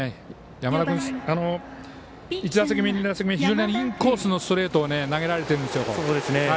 山田君、１打席目、２打席目は非常にインコースのストレートを投げられているんですよ。